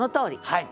はい！